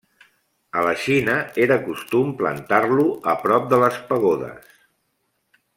A la Xina era costum plantar-lo a prop de les pagodes.